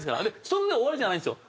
それで終わりじゃないんですよ。